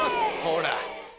ほら！